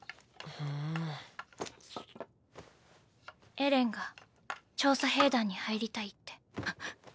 エレンが調査兵団に入りたいって。